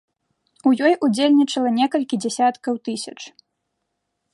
У ёй удзельнічала некалькі дзясяткаў тысяч.